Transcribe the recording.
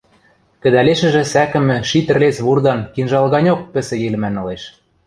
Кӹдӓлешӹжӹ сӓкӹмӹ ши тӹрлец вурдан кинжал ганьок пӹсӹ йӹлмӓн ылеш.